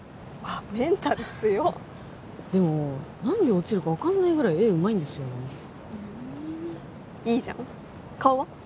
メンタル強っでも何で落ちるか分かんないぐらい絵うまいんですよねふんいいじゃん顔は？